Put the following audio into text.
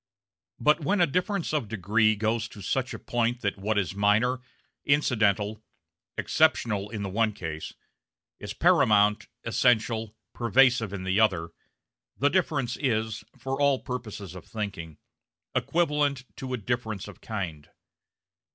But when a difference of degree goes to such a point that what is minor, incidental, exceptional in the one case, is paramount, essential, pervasive in the other, the difference is, for all the purposes of thinking, equivalent to a difference of kind.